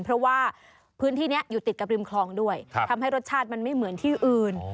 เพราะว่าพื้นที่นี้อยู่ติดกับริมคลองด้วยทำให้รสชาติมันไม่เหมือนที่อื่น